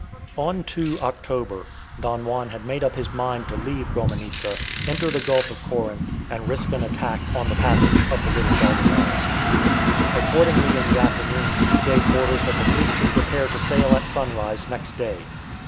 On 2 October, Don Juan had made up his mind to leave Gomenizza, enter the Gulf of Corinth, and risk an attack on the passage of the Little Dardanelles. Accordingly in the afternoon he gave orders that the fleet should prepare to sail at sunrise next day.